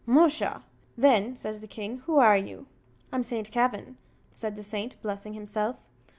"Musha! then," says the king, "who are you?" "I'm Saint Kavin," said the saint, blessing himself.